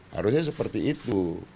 harusnya seperti itu